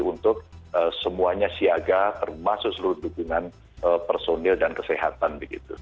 untuk semuanya siaga termasuk seluruh dukungan personil dan kesehatan begitu